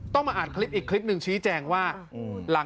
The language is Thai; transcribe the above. ต้องมาอาจอีกคลิปนึงชี้แจงว่า